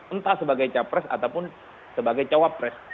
entah sebagai capres ataupun sebagai cawapres